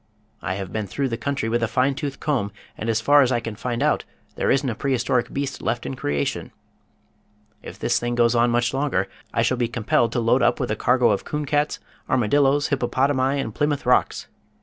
I have been through the country with a fine tooth comb, and as far as I can find out there isn't a prehistoric beast left in creation. If this thing goes on much longer I shall be compelled to load up with a cargo of coon cats, armadillos, hippopotami and Plymouth rocks.